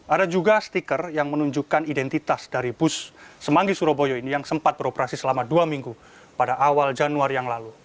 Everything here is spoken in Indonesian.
ada juga stiker yang menunjukkan identitas dari bus semanggi surabaya ini yang sempat beroperasi selama dua minggu pada awal januari yang lalu